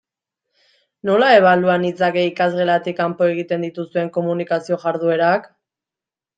Nola ebalua nitzake ikasgelatik kanpo egiten dituzuen komunikazio jarduerak?